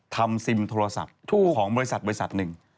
ทำซิมโทรศัพท์ของบริษัทหนึ่ง